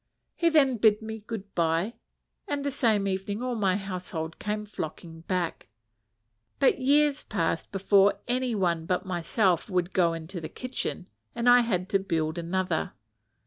He then bid me good by; and the same evening all my household came flocking back: but years passed before any one but myself would go into the kitchen, and I had to build another.